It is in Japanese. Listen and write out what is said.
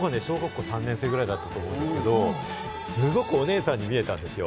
小学校３年生ぐらいだったと思うんですけど、すごくお姉さんに見えたんですよ。